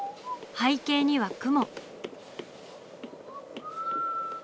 背景には雲。